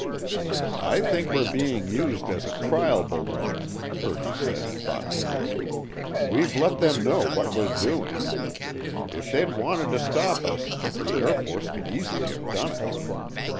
"I think we're being used as a trial balloon," Purdy said thoughtfully. "We've let them know what we're doing. If they'd wanted to stop us, the Air Force could easily have done it.